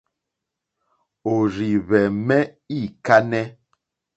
Òrzìhwɛ̀mɛ́ î kánɛ́.